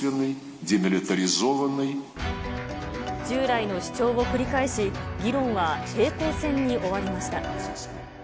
従来の主張を繰り返し、議論は平行線に終わりました。